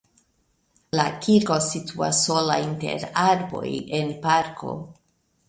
La kirko situas sola inter arboj en parko.